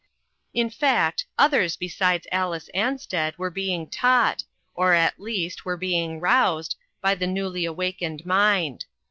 In fact, others beside Alice Ansted were being taught, or, at least, were being roused, by the newly a wakened mind.